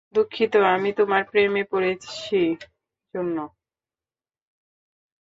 দুঃখিত, আমি তোমার প্রেমে পড়েছি জন্য।